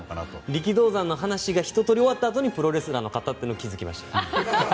力道山の話がひととおり終わったあとにプロレスラーの方って気付きました。